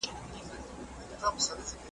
خو نصیب به دي وي اوښکي او د زړه درد رسېدلی .